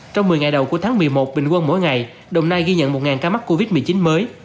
trong một mươi ngày đầu của tháng một mươi một bình quân mỗi ngày đồng nai ghi nhận một ca mắc covid một mươi chín mới